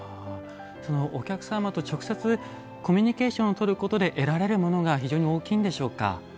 お客様と直接コミュニケーションをとることで得られるものが非常に大きいんでしょうか？